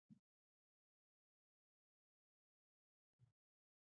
د څښاک پاکې اوبه ټولو سیمو ته رسیږي.